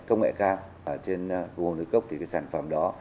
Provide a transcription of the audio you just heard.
công nghệ cao trên hồ núi cốc thì cái sản phẩm đó